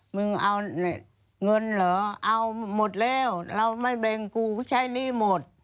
มึงเอาเงินเหรอเอาหมดแล้วเราไม่แบ่งกูก็ใช้หนี้หมด